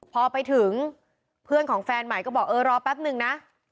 พอไปถึงเพื่อนของแฟนใหม่ก็บอกเออรอแป๊บนึงนะ